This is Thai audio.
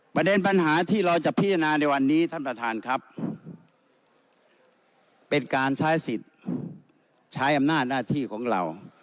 ประเด็นปัญหาที่เราจะพิจารณาในวันนี้ท่านประธานครับเป็นการใช้สิทธิ์ใช้อำนาจหน้าที่ของเรา